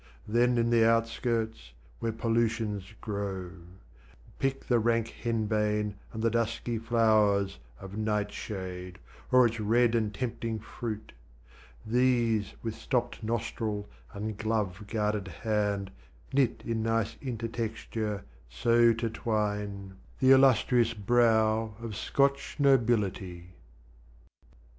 Then in the outskirts, where pollutions grow, Pick the rank henbane and the dusky flowers Of night shade, or its red and tempting fruit, These with stopped nostril and glove guarded hand Knit in nice intertexture, so to twine, The illustrious brow of Scotch Nobility.